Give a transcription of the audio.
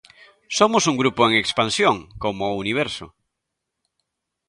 Somos un grupo en expansión, como o universo.